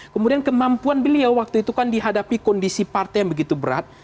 kemudian kemampuan beliau waktu itu kan dihadapi kondisi partai yang begitu berat